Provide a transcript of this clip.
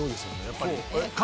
やっぱり神？